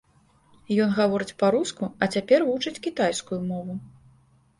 Ён гаворыць па-руску, а цяпер вучыць кітайскую мову.